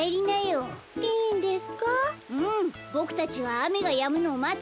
うんボクたちはあめがやむのをまってるよ。